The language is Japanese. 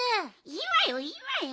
いいわよいいわよ。